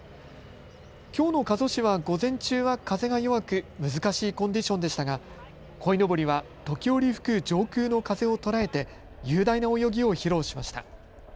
きょうの加須市は午前中は風が弱く、難しいコンディションでしたが、こいのぼりは時折吹く上空の風を捉えて雄大な泳ぎを披露しました。